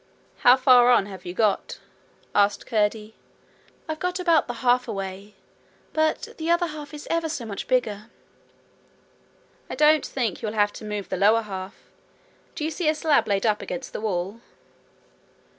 'How far on have you got?' asked Curdie. 'I've got about the half away, but the other half is ever so much bigger.' 'I don't think you will have to move the lower half. Do you see a slab laid up against the wall?'